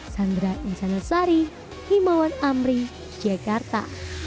sandra insanasari himawan amri jakarta